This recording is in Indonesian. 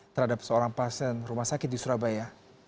terhadap seorang pasien rumah sakit di surabaya